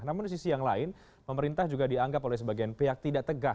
namun di sisi yang lain pemerintah juga dianggap oleh sebagian pihak tidak tegas